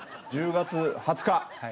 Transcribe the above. １０月２０日。